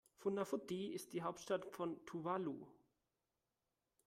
Funafuti ist die Hauptstadt von Tuvalu.